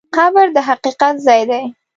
قبر د حقیقت ځای دی.